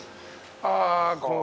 ああこの。